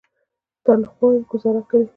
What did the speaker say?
تنخوا ګوزاره کوي.